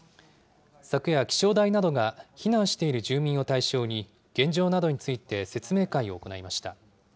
昨夜、気象台などが避難している住民を対象に、現状などについて説明会を行いました。